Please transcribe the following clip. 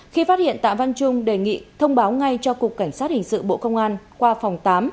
khi phát hiện tạ văn trung đề nghị thông báo ngay cho cục cảnh sát hình sự bộ công an qua phòng tám